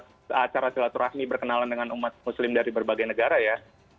kita acara silaturahmi berkenalan dengan umat muslim dari berbagai negara ya